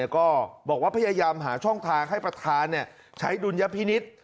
ก็บอกว่าพยายามหาช่องทางให้ประธานใช้ดุลยพินิษฐ์